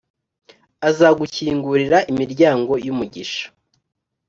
Azagukingurira imiryango yumugisha